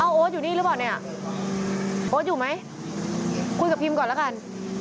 โอ๊ตอยู่นี่หรือเปล่าเนี่ยโอ๊ตอยู่ไหมคุยกับพิมก่อนแล้วกัน